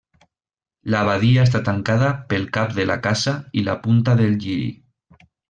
La badia està tancada pel cap de la Caça i la punta del Lliri.